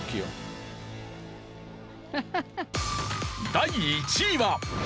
第１位は。